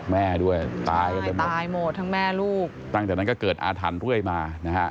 แม่ด้วยตายกันไปหมดตายหมดทั้งแม่ลูกตั้งแต่นั้นก็เกิดอาถรรพ์เรื่อยมานะฮะ